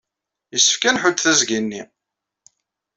Yessefk ad nḥudd tiẓgi-nni.